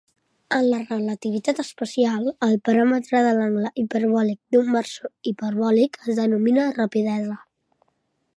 En la relativitat especial, el paràmetre de l'angle hiperbòlic d'un versor hiperbòlic es denomina rapidesa.